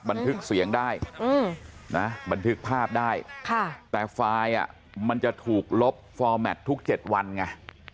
บันทึกเสียงได้นะบันทึกภาพได้แต่ไฟล์มันจะถูกลบฟอร์แมททุก๗วันไง